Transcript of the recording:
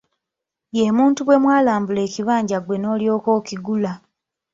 Ye muntu bwe mwalambula ekibanja ggwe n'olyoka okigula.